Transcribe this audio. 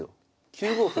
９五歩。